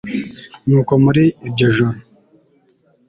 nuko muri iryo joro